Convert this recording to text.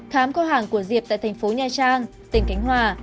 khám kho hàng của diệp tại thành phố nha trang tỉnh khánh hòa